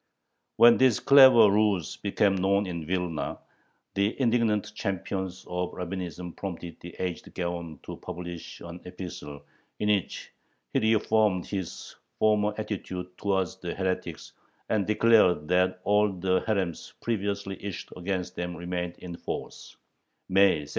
When this clever ruse became known in Vilna, the indignant champions of Rabbinism prompted the aged Gaon to publish an epistle in which he reaffirmed his former attitude towards the "heretics," and declared that all the herems previously issued against them remained in force (May, 1796).